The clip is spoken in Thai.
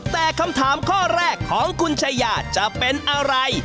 แต่คำถามข้อแรกของคุณชายาจะเป็นอะไร